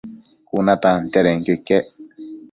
Cuna tantiadenquio iquec